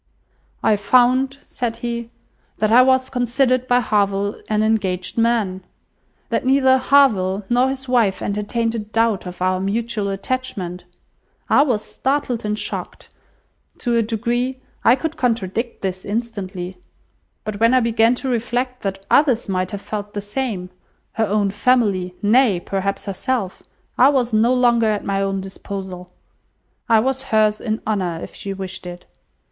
"I found," said he, "that I was considered by Harville an engaged man! That neither Harville nor his wife entertained a doubt of our mutual attachment. I was startled and shocked. To a degree, I could contradict this instantly; but, when I began to reflect that others might have felt the same—her own family, nay, perhaps herself—I was no longer at my own disposal. I was hers in honour if she wished it.